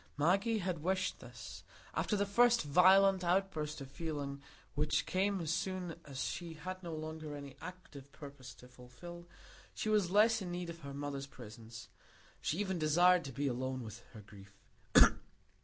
Maggie had wished this; after the first violent outburst of feeling which came as soon as she had no longer any active purpose to fulfil, she was less in need of her mother's presence; she even desired to be alone with her grief.